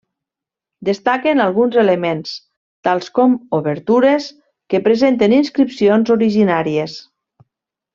Destaquen alguns elements, tals com obertures, que presenten inscripcions originàries.